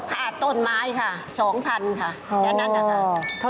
ค่ะต้นไม้ค่ะสองพันค่ะแค่นั้นค่ะ